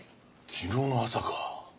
昨日の朝か。